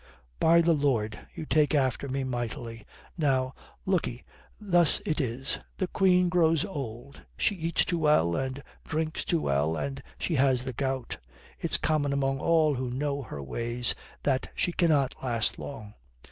"By the Lord, you take after me mightily. Now look 'e, thus it is. The Queen grows old. She eats too well and drinks too well, and she has the gout. It's common among all who know her ways that she cannot last long.